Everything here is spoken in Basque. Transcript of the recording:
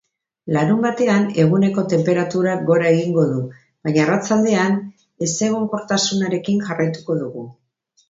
Larunbatean, eguneko tenperaturak gora egingo du, baina arratsaldean ezegonkortasunarekin jarraituko dugu.